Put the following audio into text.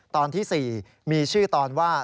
ตอนที่๔มีชื่อตอนว่า